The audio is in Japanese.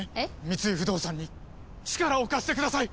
三井不動産に力を貸してください！